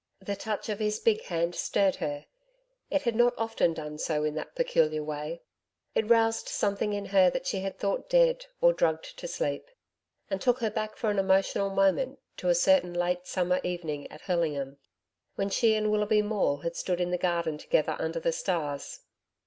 The touch of his big hand stirred her it had not often done so in that peculiar way. It roused something in her that she had thought dead or drugged to sleep, and took her back for an emotional moment to a certain late summer evening at Hurlingham, when she and Willoughby Maule had stood in the garden together under the stars.